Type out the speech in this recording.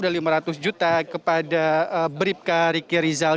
dan rp lima ratus juta kepada bribka riki rizal